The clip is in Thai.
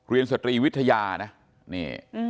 เรียนสตรีวิทยานะ